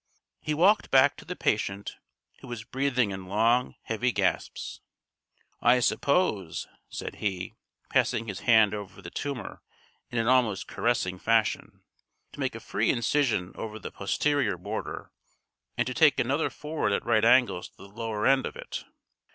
He walked back to the patient, who was breathing in long, heavy gasps. "I propose," said he, passing his hand over the tumour in an almost caressing fashion, "to make a free incision over the posterior border, and to take another forward at right angles to the lower end of it.